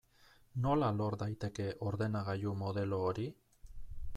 Nola lor daiteke ordenagailu modelo hori?